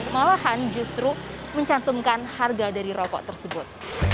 malahan justru mencantumkan harga dari rokok tersebut